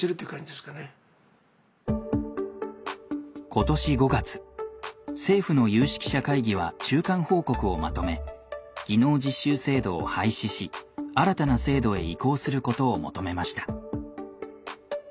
今年５月政府の有識者会議は中間報告をまとめ技能実習制度を廃止し新たな制度へ移行することを求めました。